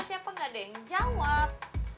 siapa gak ada yang jawab